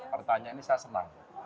pertanyaan ini saya senang